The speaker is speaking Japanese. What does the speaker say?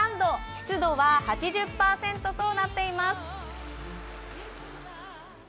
湿度は８０％となっています。